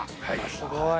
すごい。